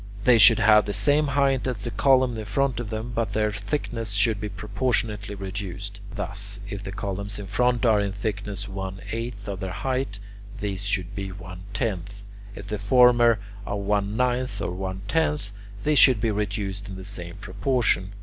They should have the same height as the columns in front of them, but their thickness should be proportionately reduced: thus, if the columns in front are in thickness one eighth of their height, these should be one tenth; if the former are one ninth or one tenth, these should be reduced in the same proportion.